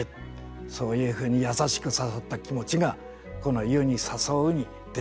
そういうふうに優しく誘った気持ちがこの「湯に誘ふ」に出ています。